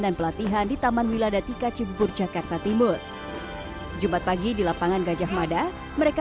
dan pelatihan di taman wiladati kacipur jakarta timur jumat pagi di lapangan gajah mada mereka